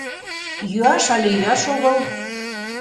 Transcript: Йӱаш але йӱаш огыл?